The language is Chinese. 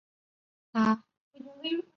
县治所在地为阿伯塔巴德。